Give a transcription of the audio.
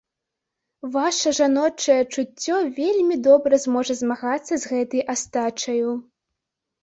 Ваша жаночае чуццё вельмі добра зможа змагацца з гэтаю астачаю.